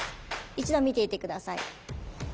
一度見ていて下さい。